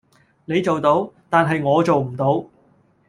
你做到，但係我做唔到